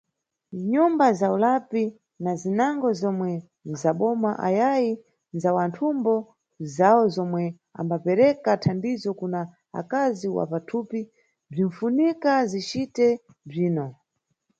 Nyumba za ulapi na zinango zomwe ndzaboma ayayi ndza wanthumbo bzawo zomwe ambapereka thandizo kuna akazi wa pathupi bzinʼfunika zicite bzino.